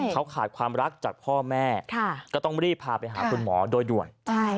เขาขาดความรักจากพ่อแม่ก็ต้องรีบพาไปหาคุณหมอโดยด่วน